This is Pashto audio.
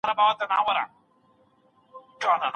دلته تر بل ځای ډېر چاڼ د لوړ ږغ سره راوړل کیږي.